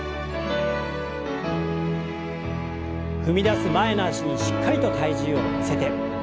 踏み出す前の脚にしっかりと体重を乗せて。